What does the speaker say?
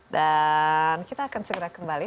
dan kita akan segera kembali